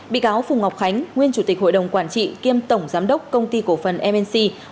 bị cáo phùng ngọc khánh nguyên chủ tịch hội đồng quản trị kiêm tổng giám đốc công ty cổ phần mc